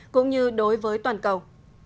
cũng như đối với toàn cầu